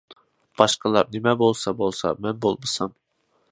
باشقىلار نېمە بولسا بولسا، مەن بولمىسام.